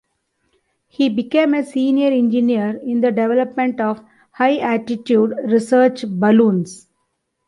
He became a senior engineer in the development of high-altitude research balloons.